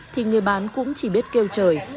thì người bán cũng chỉ biết kêu trời